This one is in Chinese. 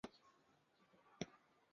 系统的名字通常是名称的一部分。